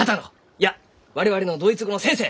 いや我々のドイツ語の先生！